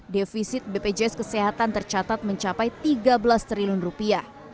defisit bpjs kesehatan tercatat mencapai tiga belas triliun rupiah